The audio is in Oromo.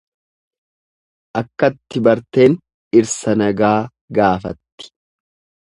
Akkatti barteen dhirsa nagaa gaafatti.